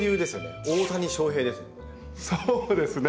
そうですね。